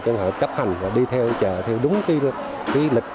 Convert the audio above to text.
cho nên họ chấp hành họ đi theo chờ theo đúng kỷ lịch